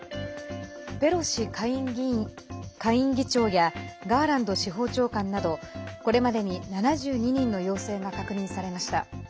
ペロシ下院議長やガーランド司法長官などこれまでに７２人の陽性が確認されました。